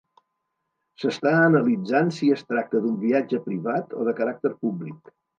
S'està analitzant si es tracta d'un viatge privat o de caràcter públic.